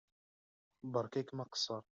Beṛka-kem aqeṣṣeṛ.